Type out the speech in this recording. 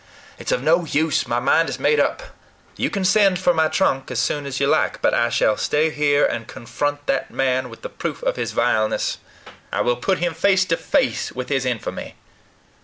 "It's of no use: my mind is made up. You can send for my trunk as soon as you like; but I shall stay here, and confront that man with the proof of his vileness. I will put him face to face with his infamy."